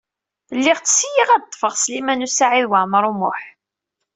Lliɣ ttsayyiɣ ad ṭṭfeɣ Sliman U Saɛid Waɛmaṛ U Muḥ.